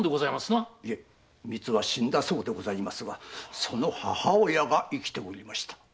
いえみつは死んだそうですがその母親が生きておりました。